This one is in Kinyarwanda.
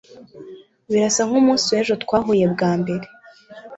birasa nkumunsi wejo twahuye bwa mbere